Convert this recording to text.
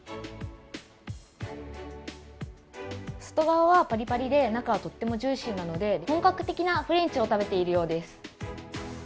外側はパリパリで中はとってもジューシーなので、本格的なフレンチを食べているようです。